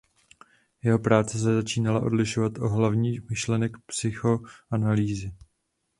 Jeho práce se začínala odlišovat od hlavních myšlenek psychoanalýzy.